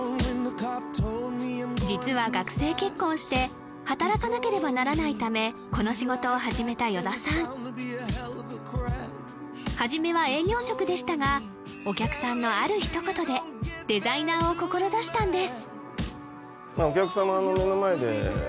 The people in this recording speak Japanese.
実は学生結婚して働かなければならないためこの仕事を始めた依田さん初めは営業職でしたがお客さんのあるひと言でデザイナーを志したんです